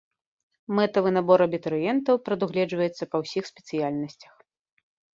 Мэтавы набор абітурыентаў прадугледжваецца па ўсіх спецыяльнасцях.